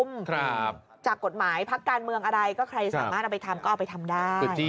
ไม่ได้มีการควบคุมจากกฎหมายพักการเมืองอะไรก็ใครสามารถเอาไปทำก็เอาไปทำได้